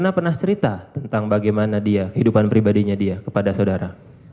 saya pernah cerita tentang bagaimana dia kehidupan pribadinya dia kepada saudara